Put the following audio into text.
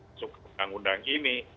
untuk keundang undang ini